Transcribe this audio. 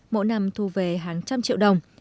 mỗi năm thu về hàng trăm triệu đồng